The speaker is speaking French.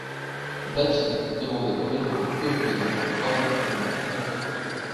Bathilde avait demandé au régent de commuer la mort de Raoul en une prison perpétuelle.